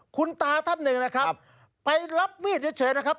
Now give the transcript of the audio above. คุณตาท่านหนึ่งนะครับไปรับมีดเฉยนะครับ